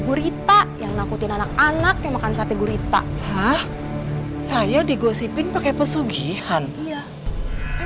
gurita yang nakutin anak anak yang makan sate gurita hah saya digosipin pakai pesugihan iya